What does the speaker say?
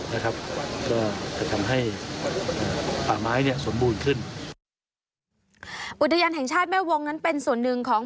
นะครับก็จะทำให้ป่าไม้เนี่ยสมบูรณ์ขึ้นอุทยานแห่งชาติแม่วงนั้นเป็นส่วนหนึ่งของ